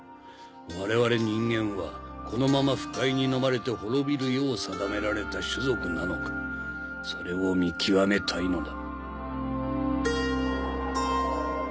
我々人間はこのまま腐海にのまれて滅びるよう定められた種族なのかそれを見極めたいのだ。